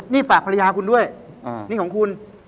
นี่ฝากภรรยาคุณด้วยนี่ของคุณ